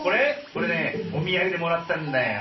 これねおみやげでもらったんだよ。